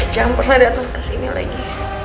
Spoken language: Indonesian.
jangan pernah datang kesini lagi